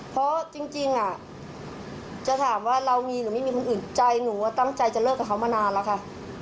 เพราะจริงจะถามว่าเรามีหรือไม่มีคนอื่นใจหนูตั้งใจจะเลิกกับเขามานานแล้วค่ะ